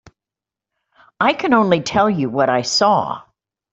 I can only tell you what I saw.